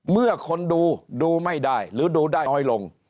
เมื่อคนดูดูไม่ได้หรือดูได้น้อยลง